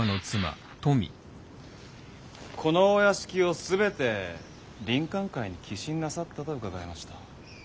このお屋敷を全て林肯会に寄進なさったと伺いました。